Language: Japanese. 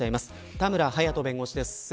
田村勇人弁護士です。